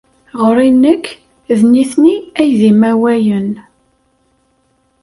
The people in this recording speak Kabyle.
Ɣer-i nekk, d nitni ay d imawayen.